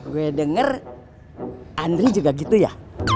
gue denger andri juga gitu ya